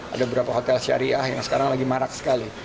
ada beberapa hotel syariah yang sekarang lagi marak sekali